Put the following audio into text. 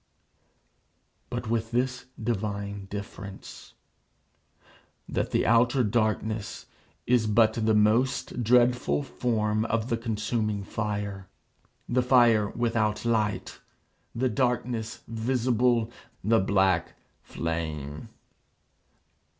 But with this divine difference: that the outer darkness is but the most dreadful form of the consuming fire the fire without light the darkness visible, the black flame.